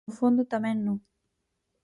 O fondo tamén nu.